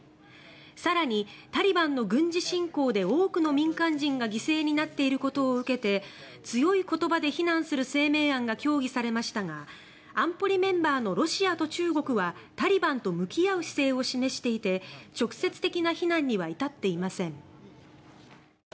更に、タリバンの軍事進攻で多くの民間人が犠牲になっていることを受けて強い言葉で非難する声明案が協議されましたが安保理メンバーのロシアと中国はタリバンと向き合う姿勢を示していて直接的な非難には至っていません。